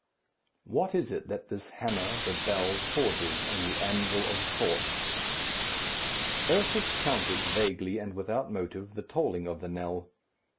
What is it that this hammer, the bell, forges on the anvil of thought? Ursus counted, vaguely and without motive, the tolling of the knell.